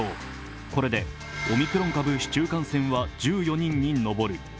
これで、オミクロン株市中感染は１４人に上る。